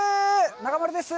中丸です。